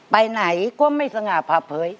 ไปไหนก็ไม่สง่าผ่าเผย